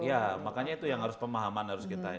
ya makanya itu yang harus pemahaman harus kita